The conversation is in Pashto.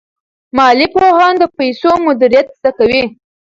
مالي پوهان د پیسو مدیریت زده کوي.